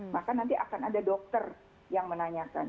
maka nanti akan ada dokter yang menanyakan